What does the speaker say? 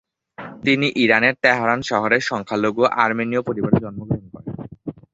তিনি ইরানের তেহরান শহরে সংখ্যালঘু আর্মেনিয় পরিবারে জন্মগ্রহণ করেন।